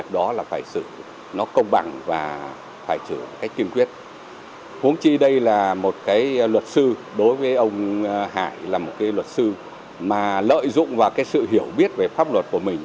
đối với ông hải là một luật sư mà lợi dụng và sự hiểu biết về pháp luật của mình